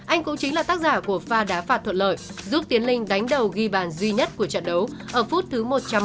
anh cũng chính là tác giả của pha đá phạt thuận lợi giúp tiến linh đánh đầu ghi bàn duy nhất của trận đấu ở phút thứ một trăm một mươi